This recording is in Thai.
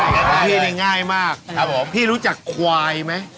ง่ายพี่นี่ง่ายมากพี่รู้จักควายไหม